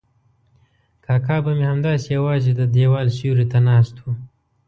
کاکا به مې همداسې یوازې د دیوال سیوري ته ناست و.